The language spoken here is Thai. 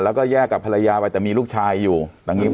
แล้วก็แยกกับภรรยาไปแต่มีลูกชายอยู่อย่างนี้